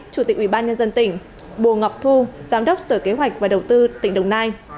chủ tịch ủy ban nhân dân tỉnh bùa ngọc thu giám đốc sở kế hoạch và đầu tư tỉnh đồng nai